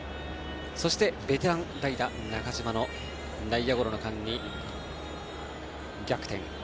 そして、ベテラン代打、中島の内野ゴロの間に逆転。